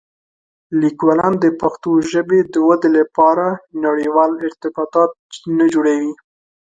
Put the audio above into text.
لیکوالان د پښتو ژبې د ودې لپاره نړيوال ارتباطات نه جوړوي.